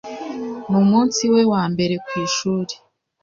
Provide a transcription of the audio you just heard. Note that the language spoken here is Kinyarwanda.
Numunsi we wambere kwishuri.